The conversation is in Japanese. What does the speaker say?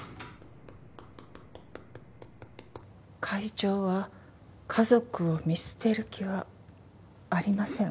「会長は家族を見捨てる気はありません」